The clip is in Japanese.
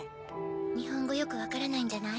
日本語よく分からないんじゃない？